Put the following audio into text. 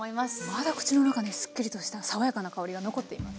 まだ口の中にすっきりとした爽やかな香りが残っています。